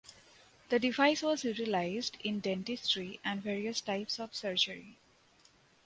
The device was utilized in dentistry and various types of surgery.